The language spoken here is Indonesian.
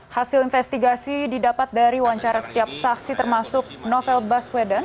hasil investigasi didapat dari wawancara setiap saksi termasuk novel baswedan